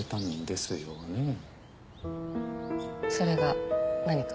それが何か？